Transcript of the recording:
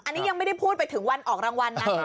อันนี้ยังไม่ได้พูดไปถึงวันออกรางวัลนะคะ